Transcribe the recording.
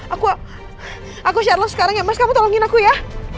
aku aku charles sekarang ya mas kamu tolongin aku ya